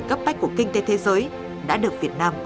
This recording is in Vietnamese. cấp bách của kinh tế thế giới đã được việt nam